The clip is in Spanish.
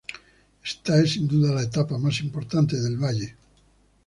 Esta es sin duda la etapa más importante del Valle.